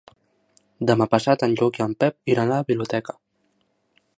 Demà passat en Lluc i en Pep iran a la biblioteca.